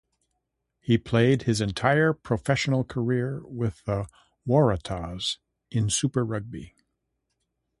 He played his entire professional career with the Waratahs in Super Rugby.